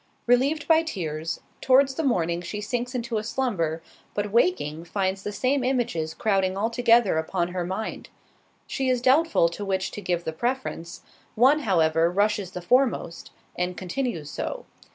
Relieved by tears, towards the morning she sinks into a slumber, but waking, finds the same images crowding all together upon her mind: she is doubtful to which to give the preference—one, however, rushes the foremost, and continues so.